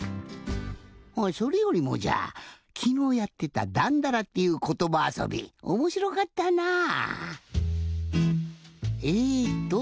それよりもじゃきのうやってた「だんだら」っていうことばあそびおもしろかったなぁ。